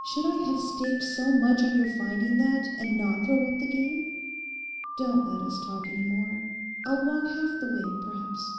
Should I have staked so much on your finding that, and now throw up the game? Don't let us talk any more. I'll walk half the way, perhaps.